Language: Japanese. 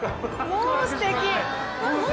もうすてき！